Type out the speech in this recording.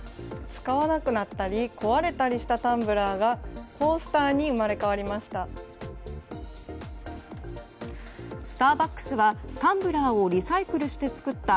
使わなくなったり壊れたりしたタンブラーがコースターに生まれ変わりました。